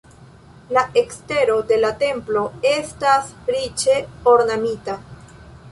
La ekstero de la templo estas riĉe ornamita.